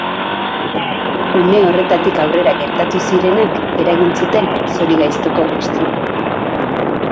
Une horretatik aurrera gertatu zirenak eragin zuten zorigaiztoko istripua.